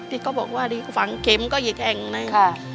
ที่ก็บอกว่าดีขวางเข็มก็อีกแห่งหนึ่ง